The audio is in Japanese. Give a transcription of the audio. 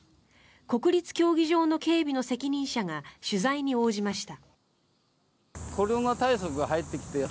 国立競技場の警備の責任者が取材に応じました。